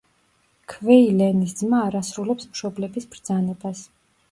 ქვეი-ლენის ძმა არ ასრულებს მშობლების ბრძანებას.